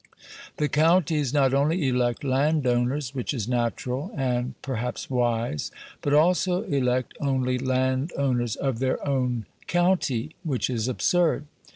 The counties not only elect landowners, which is natural, and perhaps wise, but also elect only landowners OF THEIR OWN COUNTY, which is absurd.